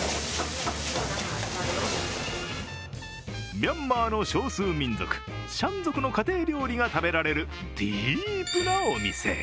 ミャンマーの少数民族、シャン族の家庭料理が食べられるディープなお店。